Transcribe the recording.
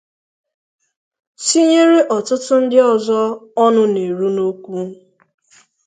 tinyere ọtụtụ ndị ọzọ ọnụ na-eru n'okwu.